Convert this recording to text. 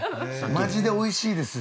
マジでおいしいです。